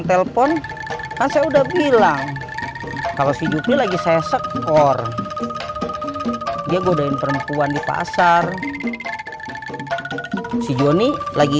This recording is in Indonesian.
telepon kasih udah bilang kalau si juri lagi saya skor dia godain perempuan di pasar si joni lagi